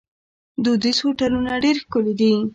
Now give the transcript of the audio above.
دودیز هوټلونه ډیر ښکلي دي.